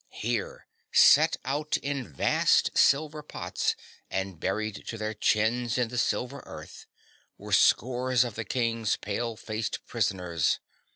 Here, set out in vast silver pots and buried to their chins in the silver earth, were scores of the King's pale faced prisoners.